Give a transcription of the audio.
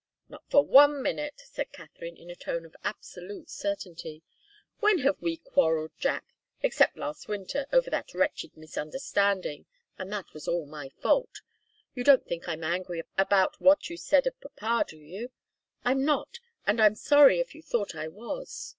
"Not for one minute," said Katharine, in a tone of absolute certainty. "When have we quarrelled, Jack? Except last winter, over that wretched misunderstanding and that was all my fault. You don't think I'm angry about what you said of papa, do you? I'm not, and I'm sorry if you thought I was.